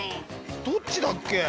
どっちだっけ？